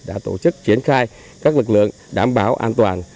đã tổ chức triển khai các lực lượng đảm bảo an toàn